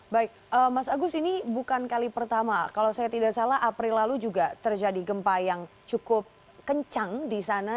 baik mas agus ini bukan kali pertama kalau saya tidak salah april lalu juga terjadi gempa yang cukup kencang di sana